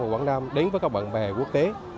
quảng nam đến với các bạn bè quốc tế